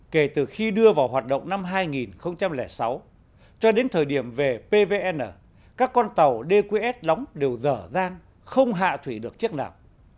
kể từ khi đưa vào hoạt động năm hai nghìn sáu cho đến thời điểm về pvn các con tàu dqs đóng đều dở dang không hạ thủy được chiếc nào